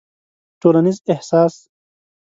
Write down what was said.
ټولنيز احساس